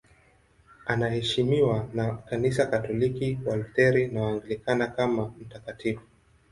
Anaheshimiwa na Kanisa Katoliki, Walutheri na Waanglikana kama mtakatifu.